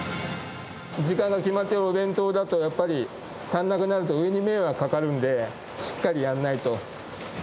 時間が決まっている弁当だとやっぱり、足んなくなると上に迷惑かかるんで、しっかりやらないと。